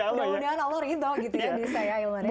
udah udahan allah rindu gitu ya bisa ya ahilman